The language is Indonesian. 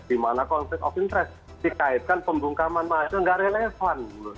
di mana konflik of interest dikaitkan pembungkaman masyarakat